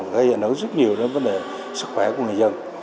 gây ảnh hưởng rất nhiều đến vấn đề sức khỏe của người dân